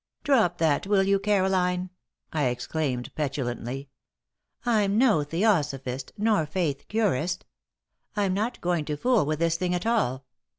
"Drop that, will you, Caroline?" I exclaimed, petulantly. "I'm no theosophist nor faith curist. I'm not going to fool with this thing at all.